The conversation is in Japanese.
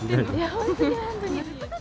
本当に、本当に。